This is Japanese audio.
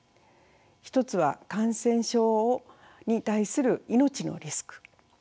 一つは感染症に対する命のリスク。